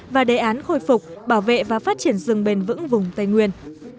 và đề án khôi phục bảo vệ và phát triển rừng bền vững vùng tây nguyên